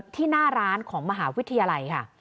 หน้าร้านของมหาวิทยาลัยค่ะ